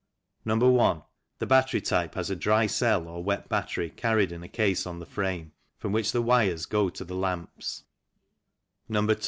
No. 1. The battery type has a dry cell or wet battery carried in a case on the frame, from which the wires go to the lamps. No.